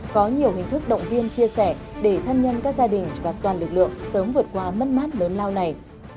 có nhiều hình thức động viên chia sẻ để thân nhân các gia đình và toàn lực lượng sớm vượt qua mất mát lớn lao này